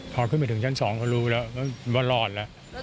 พอขึ้นไปถึงชั้น๒เขารู้แล้วว่ารอดแล้ว